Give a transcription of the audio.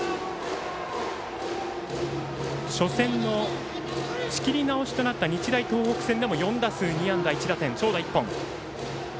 初戦の仕切り直しとなった日大東北戦でも４打数２安打１打点長打１本。